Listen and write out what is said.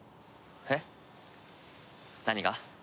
えっ？何が？